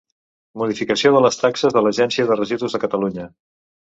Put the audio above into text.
Modificació de les taxes de l'Agència de Residus de Catalunya.